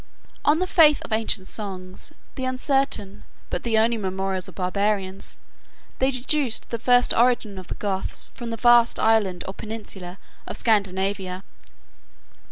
On the faith of ancient songs, the uncertain, but the only memorials of barbarians, they deduced the first origin of the Goths from the vast island, or peninsula, of Scandinavia.